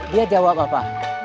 dia jawab apa